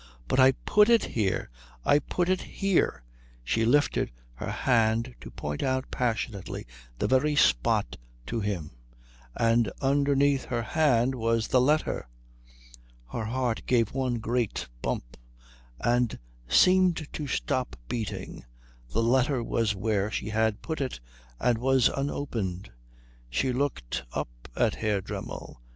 "But I put it here I put it here " She lifted her hand to point out passionately the very spot to him; and underneath her hand was the letter. Her heart gave one great bump and seemed to stop beating. The letter was where she had put it and was unopened. She looked up at Herr Dremmel.